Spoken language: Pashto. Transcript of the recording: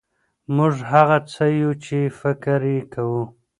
موږ هغه څه یو چي فکر یې کوو.